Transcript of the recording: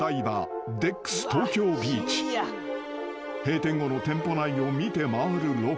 ［閉店後の店舗内を見て回るロケ］